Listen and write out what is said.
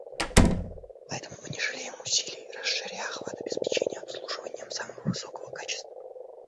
По этому мы не жалеем усилий, расширяя охват обеспечения обслуживанием самого высокого качества.